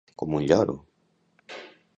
Com un lloro.